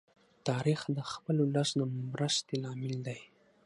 تاریخ د خپل ولس د مرستی لامل دی.